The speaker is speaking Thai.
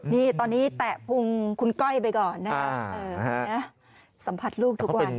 นี่ตอนนี้แตะพุงคุณก้อยไปก่อนนะครับสัมผัสลูกทุกวัน